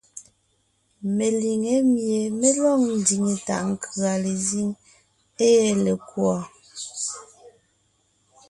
Meliŋé mie mé lɔg ndiŋe taʼ nkʉ̀a lezíŋ ée lekùɔ.